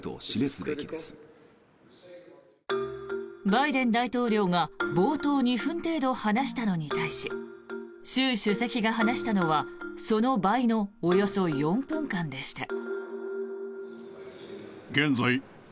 バイデン大統領が冒頭２分程度話したのに対し習主席が話したのはその倍のおよそ４分間でした。